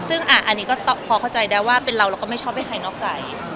ซึ่งอันนี้ก็พอเข้าใจได้ว่าเป็นเราเราก็ไม่ชอบให้ใครนอกใจ